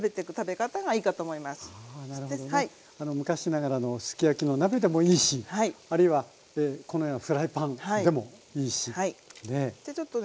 昔ながらのすき焼きの鍋でもいいしあるいはこのようなフライパンでもいいしねえ。